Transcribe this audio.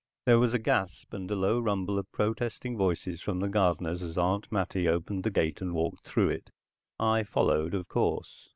There was a gasp and a low rumble of protesting voices from the gardeners as Aunt Mattie opened the gate and walked through it. I followed, of course.